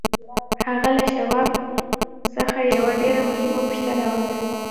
هغه له شواب څخه یوه ډېره مهمه پوښتنه وکړه